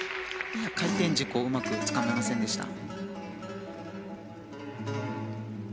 回転軸をうまくつかめませんでした。